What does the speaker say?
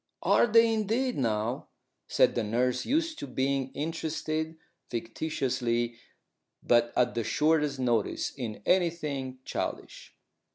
"Are they, indeed, now?" said the nurse, used to being interested, fictitiously, but at the shortest notice, in anything childish.